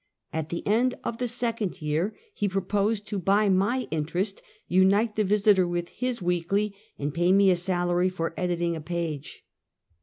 At the end of the second year he proposed to buy my interest, unite the Visiter with his weekly, and pay me a salary for editing a page.